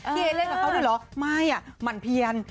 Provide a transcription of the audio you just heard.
เอ๊เล่นกับเขาด้วยเหรอไม่อ่ะหมั่นเพียน